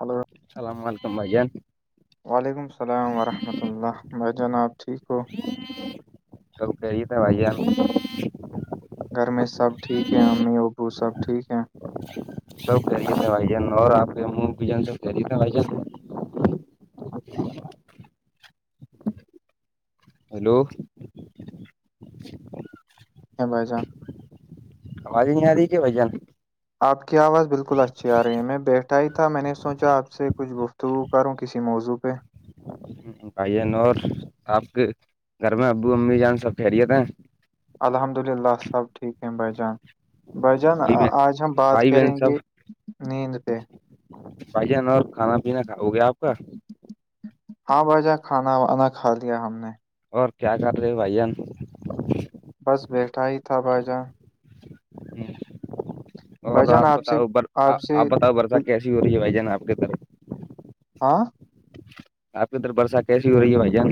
Hello اللام و علیکم بگ وعلیکم السلام ورحمۃ اللہ میں جناب ٹھیک ہوں تول کہی تھاے بھائیار گھر میں سب ٹھیک ہے امی ابو سب ٹھیک ہے سب خریتے ہیں بھائی جان اور آپ کے منہ بھی جان سب خہریتے ہیں بھائی جان ہیلو [unintelligible] [inaudible] ہ بسا [unintelligible] آواز نہیں آدی کہ بھ جان [unintelligible] آپ کی آواز بالکل اچھی آ رہی ہے میں بیٹھ [unintelligible] ٹائی تھا میں نے سوچا آپ سے کچھ گفتگو کروں کسی موضوع پہ [unintelligible] بائی ن اور آپ کے گھر میں ابو امی جان سب خریت ہیں الحمد للہ سب ٹھیک ہیں بائی جان [unintelligible] بھائیجان بھائی بہن آج ہم بات بھائی بہن کریں گے سب نیند پہ بھائی جان اور کھانا پینا کھا ہو گیا آپ کا ہاں بجا کھانا وانا کھا لیا ہم نے اور کیا کر رہے ہو بھائیان بس بیٹھا ہی تھا بھائی جان ہ اور بھائی جان آپ سے بتاؤ ب سے آپ بتاؤ برتا کچھ [unintelligible] کیسی ہو رہی ہے بھائی جان آ کے طرف [unintelligible] ہاں [unintelligible] آ کے ادھر برسات کیسی ہو رہی ہے بائی جان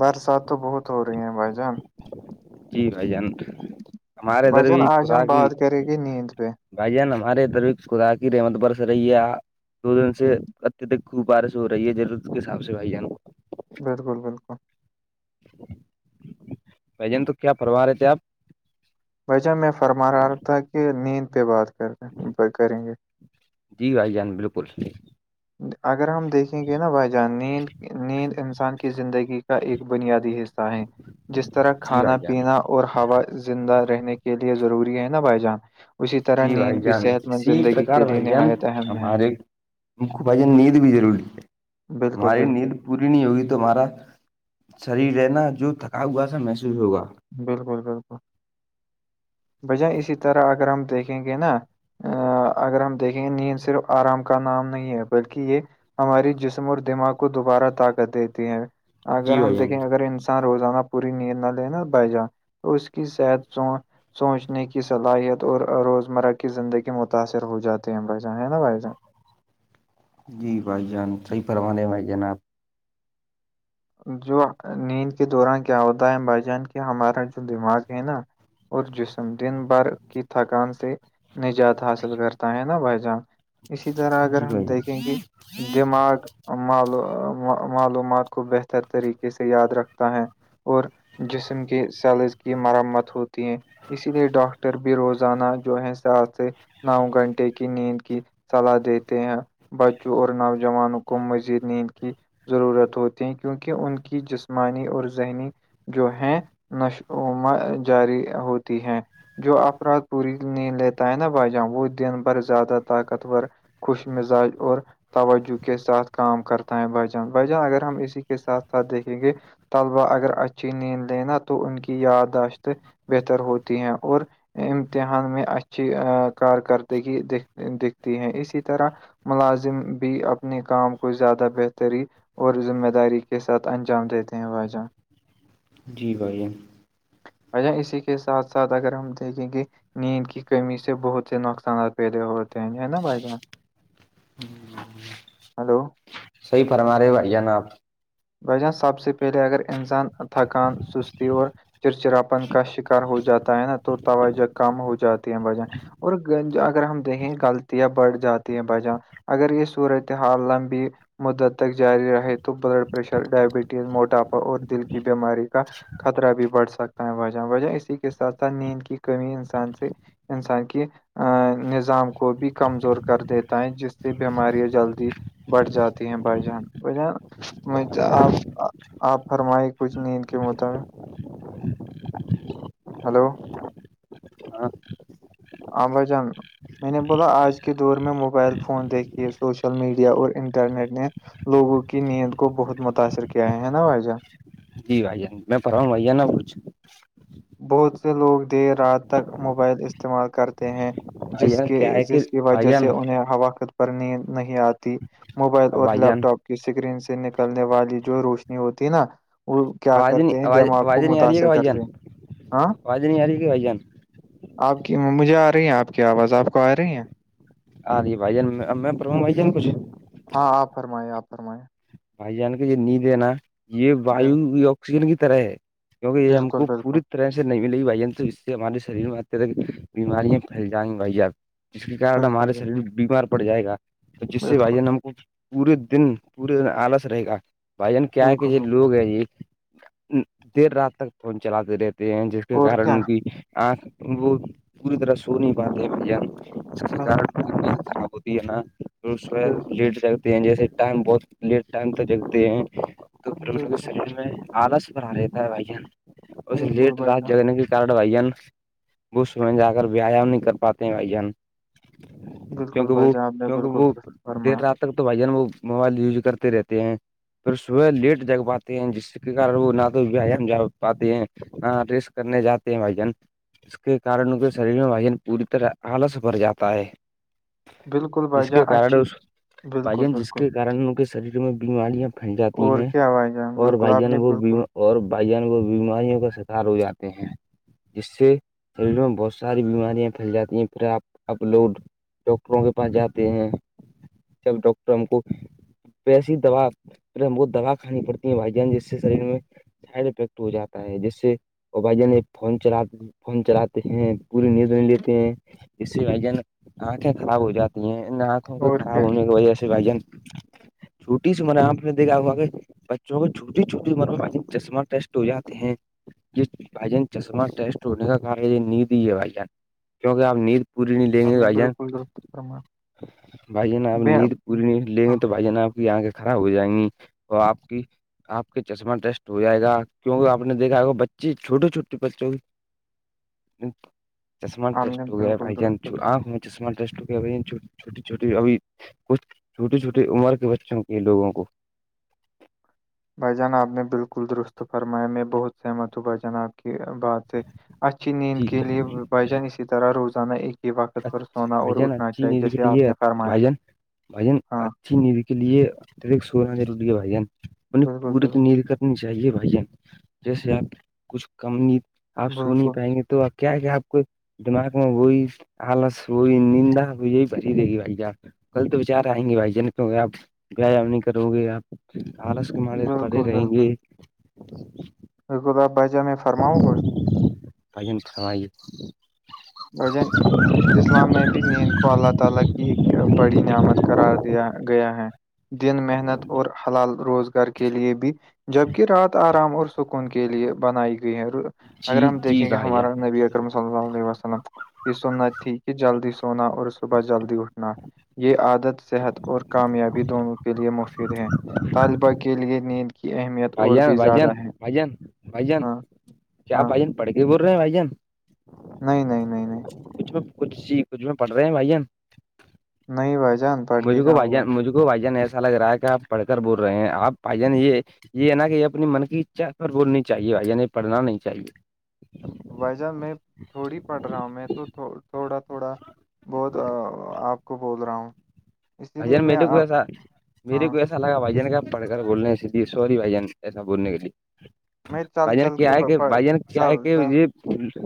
برسات تو بہت ہو رہی ہیں بھائی جان جی بھائی جان ہمارے بھائی ادھر جان بھی آج خدا ہم کی بات کریں گے نیند پہ بھائی جان ہمارے طرف خدا کی رحمت بر سے رہی ہے دو دن سے اتیہدک خوب بارش ہو رہی ہے جضرورت کے حساب سے بھائی جان کو [unintelligible] بالکل بالکل بھ جان تو کیا پروا رہے تھے آپ بھجہ میں فرما رہا تھا کہ نیند پہ بات کریں کریں گے جی بھائی جان بالکل اگر ہم دیکھیں گے نا بھائی جان نیند نیند انسان کی زندگی کا ایک بنیادی حصہ ہے جس طرح جی کھانا بھائی جان پینا اور ہوا زندہ رہنے کے لیے ضروری ہے نا بھائی جان اسی طرح جی بھائی نیند بھی جان صحت مند اسی زندگی کے لیے نہایت اہم ہے ہم کو بھائی نیند بھی ضرور بالکل، ہماری بالکل، نیند پوری نہیں ہوگی تو ہمارا شریر رہ نا جو تھکا ہوا سا محسوس ہوگا بالکل بالکل بھای جان اسی طرح اگر ہم دیکھیں گے نا ا اگر ہم دیکھیں گے نیند صرف آرام کا نام نہیں ہے بلکہ یہ ہماری جسم اور دماغ کو دوبارہ طاقت دیتی ہے اگر جی ہم بھائی جان دیکھیں اگر انسان روزانہ پوری نیند نہ لےینا بھائی جان تو اس کی صحت سو سوچنے کی صلاحیت اور روزمرہ کی زندگی متاثر ہو جاتے ہیں بھائی جان ہیں نا بائی جان جی بھائی جان صحیح پروانے بںھائی جان آپ جو نیند کے دوران کیا ہوتا ہے بھائی جان کہ ہمارا جو دماغ ہے نا اور جسم دن بھر کی تھکان سے نجات حاصل کرتا ہے نا بھائی جان اسی طرح اگر جی ہم بھائی جان دیکھیں گے دماغ معلومات کو بہتر ار طریقے سے یاد رکھتا ہے اور جسم کے سیلز کی مرمت ہوتی ہیں اسی لیے ڈاکٹر بھی روزانہ جو ہے ساتھ سے نو گھنٹے کی نیند کی صلاح دیتے ہیں بچوں اور نوجوانوں کو مزید نیند کی ضرورت ہوتی کیونکہ ان کی جسمانی اور ذہنی جو ہے نشما جاری ہوتی ہے جو افراد پوری نہیں لیتا ہے نا بھائی جان وہ دن بھر زیادہ طاقتور خوش مزاج اور توجہ کے ساتھ کام کرتا ہے بھای جان بھجن اگر ہم اسی کے ساتھ ساتھ دیکھیں گے طلبا اگر اچھی نیند لےینا تو ان کی یادداشت بہتر ہوتی ہیں اور امتحان میں اچھی کارکردگی د دکھتی ہے اسی طرح ملازم بھی اپنے کام کو زیادہ بہتری اور ذمہ داری کے ساتھ انجام دیتے ہیں بھائی جاں جی بھائی جان بھائی جان اسی کے ساتھ ساتھ اگر ہم دیکھیں گے نیند کی کمی سے بہت سے نقصانات پیدے ہوتے ہیں ہے نا بھائی جان ہلو صحی فرما رہے ہو بھائی جان آپ وان سب سے پہلے اگر انسان تھکان سستی اور چرچراپن کا شکار ہو جاتا ہے نا تو توجہ کم ہو جاتی ہے وجہ اور گج اگر ہم دیکھیں غلطیاں بڑھ جاتی ہیں بائی چانس اگر یہ صورتحال لمبی مدت تک جاری رہے تو بلڈ پشر ڈائبٹیز موٹاپا اور دل کی بیماری کا خطرہ بھی بڑھ سکتا ہے وجہ وجہ اسی کے ساتھ ساتھ نیند کی کمی انسان سے انسان کی ا نظام کو بھی کمزور کر دیتا ہے جس سے بیمارییا جلدی بٹھ جاتی ہیں بھائی جان بائی جان میںج آپ آپ فرمائی کچھ نیند کے مطابق ہلو ہاں آباز جاننا میں نے بولا آج کے دور میں موبائل فون دیکھیے سوشل میڈیا اور انٹرنیٹ نے لوگوں کی نیند کو بہت متاثر کیا ہے نا وھجہ جی بھیا میں پڑا ہوں بھیا نا کچھ بہت سے لوگ دیر رات تک موبائل استعمال کرتے ہیں بھائی جس جان کے کیا ہے کہ جس کی بھائی وجہ جان سے انہیں حواقت پر نیند نہیں آتی موبائل اب اور بھائی لیپ جان ٹاپ اسکرین سے نکلنے والی جو روشنی ہوتی نا وہ کیا آوازیں نہیں کرتے ہیں آواز دماغ کو آوازیں نہیں آ رہی ہے کہ متاثر بھائی جان کرتے ہیں ہاں آوازیں نہیں آ رہی ہے کہ بھائی جان آپ کی مجھے آ رہی ہیں آپ کی آواز آپ کو آ رہی ہیں ہ ری بھائی جان پر بھائی جان کچھ ہاں آپ فرمائییں آپ فرمائیں بھائی جان کے یہ نیند ہے نا یہ بل- ویو آکسیجن کی طرح ہے کیونکہ یہ ہم بالکل کو بالکل پوری طرح نہیں ملےی بھائی تو اس سے ہمارے شریر میں اتک بیماریاں پھیل جائیں گی بھائیب [unintelligible] جس کے کن بالکل ہمارے بالکل شریر بیمار پڑ جائے گا تو جس سے بھائی بالکل جان ہم کو پورے دن پورے دن آلس رہے گا بھائی جان کیا کہ بالکل یہ بھیا لوگ ہیں یہ دیر رات تک فون چلاتے رہتے ہیں جس کے اور کارن کیا ان کی آنکھ وہ پوری طرح سو نہیں پاتے بھ ج کےار بالکل خ یہاں توح بالکل لیٹ جگتے ہیں جیسے ٹائم بہت لیٹ ٹائم تو جگتے ہیں [unintelligible] تو س بالکل میں آلس پر آ رہتا ہے بھائی جان اور بالکل لیٹ بھائی رات جان جگنے کی ارڈ بھائی جان وہس میں جا کر ویایام نہیں کر پاتے ہیں بھائی جان بالکل کیونکہ بھائی وہ جان آپ نے کیونکہ بالکل وہ درست دیر فرمایا رات تک تو بھائی ج نے وہ موبائل یوز کرتے رہتے ہیں پھر صبح لیٹ جگ پاتے ہیں جس کے کار وہ نہ تو ویایام جا پاتے ہیں ہاں ریسک کرنے جاتے ہیں بھائی جان اس کے کن ان کے شریر میں وجن پوری طرح آلس بھر جاتا ہے بالکل جس بھائی کے جان کارن اچھی اس بالکل بائین جس بالکل کے کارن ان کے شریر میں بیماریاں پھیل جاتی اور ہیں کیا بھائی جان اور بالکل بھائی آپ جان نے وہ بیم بالکل [unintelligible] اور بھائی جان وہ بیماریوں کا شکار ہو جاتے ہیں [inaudible] جس سے شریر میں بہت ساری بیماریاں پھیل جاتی ہیں پھر آپ اپ لوڈ ڈاکٹروں کے پاس جاتے ہیں سب ڈاکٹر ہم کو پ ایسی دوا پ ہم وہت دوا کھانی پڑتی ہے بھائی جان جس سے شریر میں ہیڈ افیکٹ ہو جاتا ہے جس سے اب ج فون چلات فون چلاتے ہیں پوری نیوز لیتے ہیں ج سے بھائی جان آنکھیں خراب ہو جاتی ہیں ان آنکھوں کے اور کیا خراب ہونے کی وجہ سے بھائی جان چھوٹی س سے م نے آپ نے دیکھا ہوا کہ بچوں کو چھوٹی چھوٹی عمر میں چشمہ ٹیسٹ ہو جاتے ہیں ج بھائی جان چشمہ ٹیسٹ ہونے کا کہا ہے یہ نید ہی ہے بھائی جان کیکہ آپ نید پوری نہیں لیں آپ گے نے بھائی جان بالکل درست فرمایا بھائی جان آپ نیند بے- پوری نہیں لیں گے ہاں تو بھائی جان آپ کی آنکھیں خراب ہو جائیں گی تو آپ کی آپ کے چشمہ ٹیسٹ ہو جائے گا کیوں آ نے دیکھا ہے بچی چھوٹے چھوٹے بچوں کی چشم آپ توٹ نے ہو گیا بالکل بھائی جان درست آ فرمایا جمٹ چھوٹی چوٹی اب کچھ چھوٹی چوٹی عمر کے بچے چوں کے لوگوں کو بھائی جان آپ نے بالکل درست فرمایا میں بہت سہمت ہوں بھائی جان آپ بات ہے اچچ نیند جی کے لیے بجان اسی طرح روزانہ ا اچ بھائی جان اچھی ند کے آپ لیے نے فرمایا بھائی جان بھائی جان ہاں اچھی نیند کے لیے سولہ رڈیا بھائی انہیں بالکل پوریت بالکل نیند کا چاہیے بھائیین جیسے آپ کچھ کم گی آپ سو نہیں بالکل پائیں گے تو آپ [unintelligible] کیا کیا آپ کو دماغ میں وہی [unintelligible] ہالس وہی نندا یہی پری دے گی بھائی ج آپ کل تو بچار آئیں گے بھائی ج کیوں آپ [unintelligible] ویایام نہیں کرو گے آپ آالس کے مارے پڑے بالکل رہیں گے [unintelligible] کتا آ باےا میں فرماں گچھ [unintelligible] پجن تھاوائی کی [unintelligible] بڑی نعمت کرار دیا گیا ہے دن محنت اور حلال روزگار کے لیے بھی جبک رات آرام اور سکون کے لیے بنائی گئی ہے اگر جی ہم جی دیکھیں گے بھائی ہمارا جان نبی اکرم صلی اللہ علیہ وس یہ سننا تھی کہ جلدی سونا اور صبح جلدی اٹھنا یہ عادت صحت اور کامیابی دونوں کے لیے مفید ہے طالبہ کے لیے نیند کی اہمیت بھائی اور جان بھی بھ جان زیادہ ہے بھائی جان بھ جان ہاں کیا ہاں بھ جان پڑک بول رہے ہیں بھائی جان نہیں نہیں نہیں نہیں کچھ میں کچ سی کچھ پڑ رہے ہیں بھائیان نہیںئی بجان مجھے کو بھائی جان مجھے کو بھائی جان ایسا لگ رہا ہے کہ آپ پڑھ کر بول رہے ہیں آپ بھائی جان یہ یہ نا کہ اپنی من کی اچھا پر بولنی چاہے یعنی پڑھنا نہیں چاہیے وجہ میں تھوڑی پڑھ رہا ہوں میں تو تھوڑا تھوڑا بہت آپ کو بول رہا ہوں اسی بھ لیے جان میں میرے کو آپ ایسا میرے ہاں کو ایسا اھا لگا بھائی جان کیا پڑھ کر بولنے لیے سوری بھائی جن ایسا بولنے کے لیے میں چل بھائی جان چل کیا کے ہے پ- کہ پڑھ- بھائی جان کیا ہے چل کہ چل یہ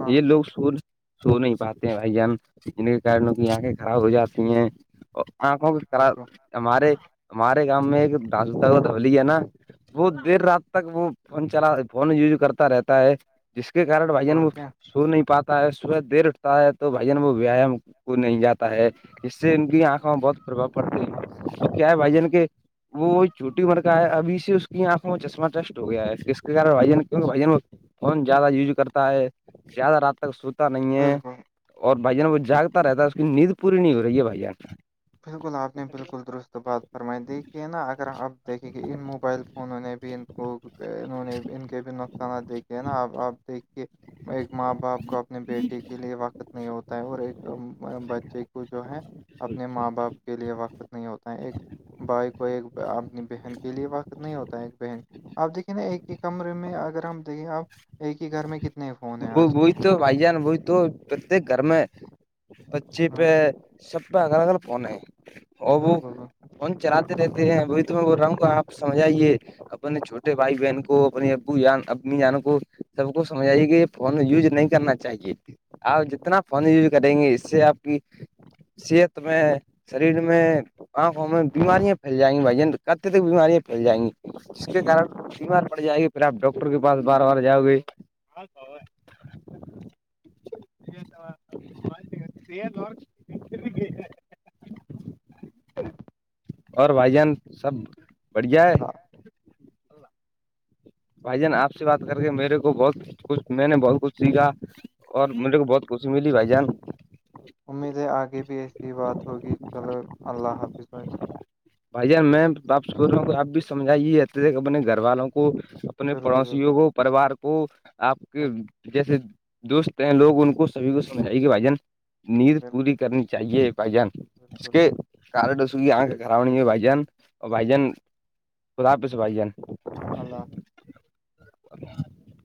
ہاں یہ لوگ س سو نہیں پاتے ہیں بھائی جان ان کے کارن کی آنکھیں خراب ہو جاتی ہیں آکھوں کرا بالکل ہمارے ہمارے گامؤ میں ایک د دولی ہے نا بہت دیر رات تک وہ فون چلا فون یوز کرتا رہتا ہے جس کے کار بھائی جان اور وہ کیا سو نہیں پاتا ہے سورج دیر اٹھتا ہے تو بھ جان وہ ویایام کو نہیں جاتا ہے اس سے ان کی آنکھوں میں بہت پربؤ پڑتی ہے تو کیا ہے بھائی جان کے وہ چوٹی مرکا ہے ابھی سے اس کی آنکھوں میں چشمہ شٹ ہو گیا ہے اسس کےارن فون زیادہ یوز کرتا ہے زیادہ ر سوتا نہیں ہے بالکل اور بھائی جان وہ جاگتا رہتا ہے اس کی نیند پوری نہیں ہو رہی ہے بھائی جان بالکل آپ نے بالکل درست بات فرمائی دی کہ نہا اگر آپ دیکھیں کہ ان موبائل فونوں نے بھی ان وہ انہوں نے ان کے بھی نقصانات دیکھے ہیں نا اب آپ دیکھیے ایک ماں باپ کو اپنے بیٹی کے لیے وقت نہیں ہوتا ہے اور ایک بچے کو جو ہے اپنے ماں باپ کے لیے وقت نہیں ہوتا ہے ایک بھائی کو ایک اپنی بہن کے لیے وقت نہیں ہوتا ایک بہن آپ دیکھیے نا ایک ہی کمرے میں اگر ہم دیکے آپ ایک ہی گھر میں کتنے فون ہیں وہ آج کل وہی تو بھائی جان وہی تو پرت گھر میں بچے ہاں، پہ سب پہ الگگ الگل فون ہے اور وہ بالکل، بالکل۔ فون چلاتے رہتے ہیں وہ وہ رنگ آپ سمجھائیے اپنے چھوٹے بھائی بہن کو اپنے ابو امی جانوں کو سب کو سمجھ آئیے کہ فون یوز نہیں کرنا چاہیے آپ جتنا فون یوز کریں گے اس سے آپ کی صحت میں شریر میں آنکھوں میں بیماریاں پھیل جائیں گی بھائی ج کتے تک بیماریاں پھیل جائیں گی اس کے کن بیمار پڑ جائے گی پھر آپ ڈاکٹر کے پاس بار بار جاؤ گے ہاں تو س اور بھائی جان سب بڑھیا ہے بھائی جان آپ سے بات کر کے میرے کو بہت کچھ میں نے بہت کچھ س گا اور مجیرے کو بہت خوشی ملی بھائی جان امید ہے آگے بھی ایسی بات ہوگی چلو اللہ حافظ بجا بھائی میں آپ بول رہ ہوں آپ بھی سمجھائیے رہتے تھے اپنے گھر والوں کو کو اپنے بالکل بالکل پڑوسیوں کو پوار کو آپ کے بالکل جیسے دوست ہیں لوگ ان کو سبھی کو سمجھے کہ بھائی جان نیند پوری کرنی چاہیے پہ جان اس بالکل بالکل کے کارڈ اس کی آنکھ سراؤنڈنگ میں بھائی جان اور بھائی جان بالکل، خدا پ سے بھائی جان اللہ